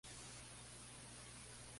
Porque esta historia va de libros.